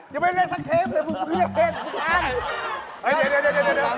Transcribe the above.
อย่าไปเล่นสักเทปเลยมึงจะเห็นทุกอัน